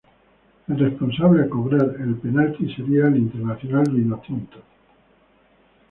El responsable a cobrar el penalti sería el internacional vinotinto.